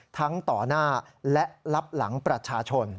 ต่อหน้าและรับหลังประชาชน